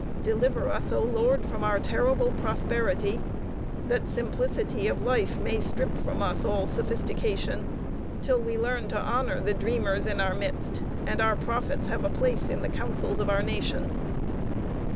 "Deliver us, O Lord! from our terrible prosperity," that simplicity of life may strip from us all sophistication, till we learn to honor the dreamers in our midst, and our prophets have a place in the councils of the nation.